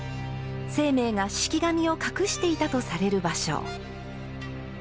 晴明が式神を隠していたとされる場所。